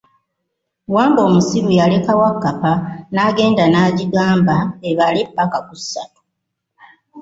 Wambwa omusiru yaleka Wakkapa n'agenda naagyigaamba ebale ppaka ku ssatu.